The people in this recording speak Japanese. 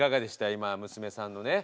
今娘さんのね。